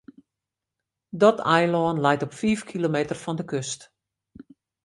Dat eilân leit op fiif kilometer fan de kust.